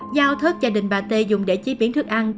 giao thớt gia đình bà tê dùng để chế biến thức ăn